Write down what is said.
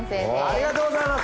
ありがとうございます。